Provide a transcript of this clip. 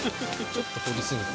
ちょっと掘りすぎ。